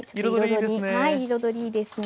彩りいいですね。